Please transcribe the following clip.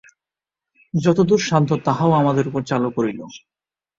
যতদূর সাধ্য তাহাও আমাদের উপর চালু করিল।